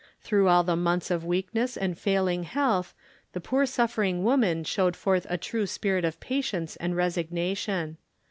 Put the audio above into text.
Through all the months of weakness and failing health, the poor suffering woman showed forth a true spirit of patience and resignation.